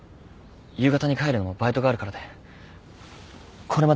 夕方に帰るのもバイトがあるからで。